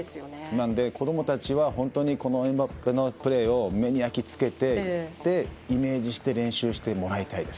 なので子どもたちは本当にエムバペのプレーを目に焼き付けてイメージして練習してもらいたいです。